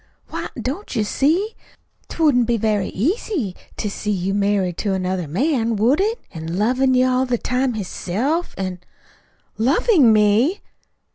"Why, don't you see? 'T wouldn't be very easy to see you married to another man, would it? an' lovin' you all the time hisself, an' " "LOVING ME!"